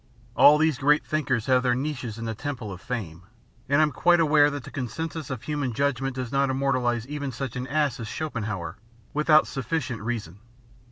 All these great thinkers have their niches in the Temple of Fame, and I'm quite aware that the consensus of human judgment does not immortalise even such an ass as Schopenhauer, without sufficient reason.